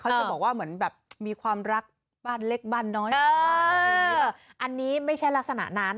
เขาจะบอกว่าเหมือนแบบมีความรักบ้านเล็กบ้านน้อยอันนี้ไม่ใช่ลักษณะนั้น